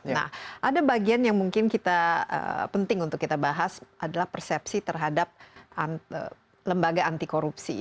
nah ada bagian yang mungkin kita penting untuk kita bahas adalah persepsi terhadap lembaga anti korupsi